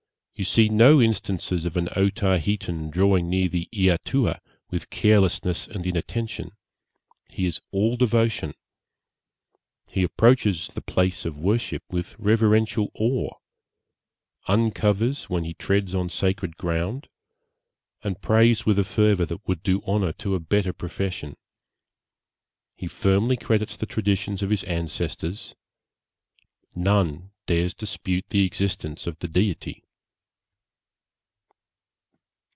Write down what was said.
You see no instances of an Otaheitan drawing near the Eatooa with carelessness and inattention; he is all devotion; he approaches the place of worship with reverential awe; uncovers when he treads on sacred ground; and prays with a fervour that would do honour to a better profession. He firmly credits the traditions of his ancestors. None dares dispute the existence of the Deity.'